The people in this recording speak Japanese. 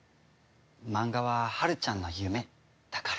マンガははるちゃんの夢だから。